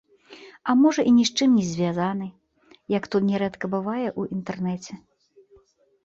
А можа, і ні з чым не звязаны, як то нярэдка бывае ў інтэрнэце.